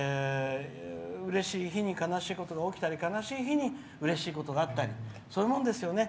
うれしい日に悲しいことが起きたり悲しい日にうれしいことがあったりそういうものですよね。